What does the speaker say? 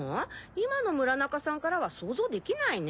今の村中さんからは想像できないね。